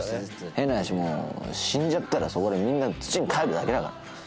変な話もう死んじゃったらそこでみんな土にかえるだけだから。